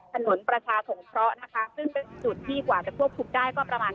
ถนนประชาสงเคราะห์นะคะซึ่งเป็นจุดที่กว่าจะควบคุมได้ก็ประมาณ